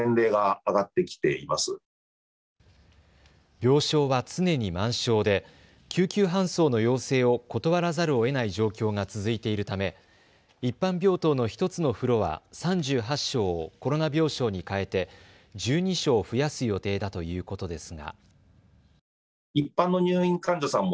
病床は常に満床で救急搬送の要請を断らざるをえない状況が続いているため一般病棟の１つのフロア、３８床をコロナ病床に変えて１２床増やす予定だということですが。